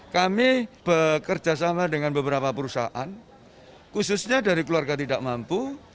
kami bekerja sama dengan beberapa perusahaan khususnya dari keluarga tidak mampu